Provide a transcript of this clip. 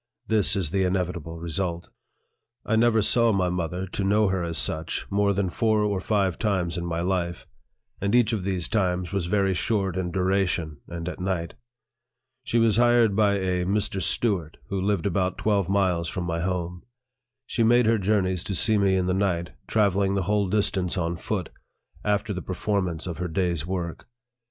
This is the inevitable result. I never saw my mother, to know her as such, more than four or five times in my life ; and each of these times was very short in duration, and at night. She was hired by a Mr. Stewart, who lived about twelve LIFE OF FREDERICK DOUGLASS. 3 miles from my home. She made her journeys to see me in the night, travelling the whole distance on foot, after the performance of her day's work.